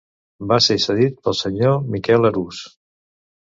Va ser cedit pel senyor Miquel Arús.